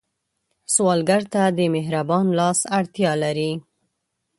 سوالګر ته د مهربان لاس اړتیا لري